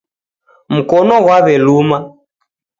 Mkono ghwaw'eluma.